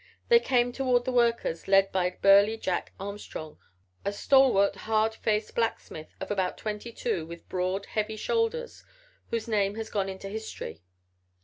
They came toward the workers, led by burly Jack Armstrong, a stalwart, hard faced blacksmith of about twenty two with broad, heavy shoulders, whose name has gone into history.